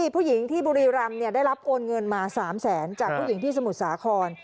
ผู้หญิงที่บุรีรำได้รับโอนเงินมา๓แสนจากผู้หญิงที่สมุทรสาคร